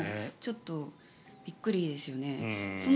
ちょっとびっくりですよね。